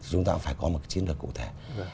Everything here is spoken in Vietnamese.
chúng ta cũng phải có một chiến lược cụ thể